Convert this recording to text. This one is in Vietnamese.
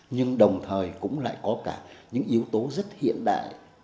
nhưng đồng thời cũng lại có cả những yếu tố rất hiện đại